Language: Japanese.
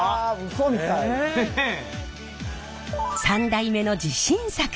３代目の自信作！